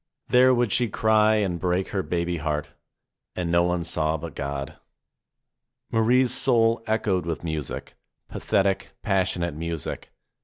There would she cry and break her baby heart. And no one saw but God. Marie's soul echoed with music, pathetic, passionate music.